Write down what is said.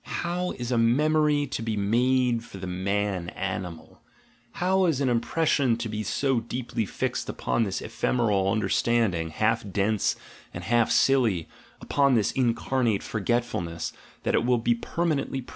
''How is a mem ory to be made for the man animal? How is an im pression to be so deeply fixed upon this ephemeral under standing, half dense, and half silly, upon this incarnate forgetfulness, that it will be permanently present?''